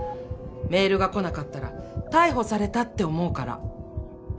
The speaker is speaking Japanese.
メールが来なかったら逮捕されたって思うから。